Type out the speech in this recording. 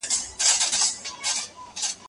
د بوټو تڼۍ تړې، ګله پر كمه راڅه ځې